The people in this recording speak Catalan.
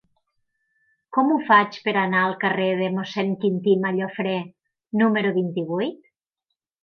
Com ho faig per anar al carrer de Mossèn Quintí Mallofrè número vint-i-vuit?